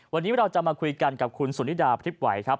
วันนี้เราจะมาคุยกันกับคุณสุนิดาพริบไหวครับ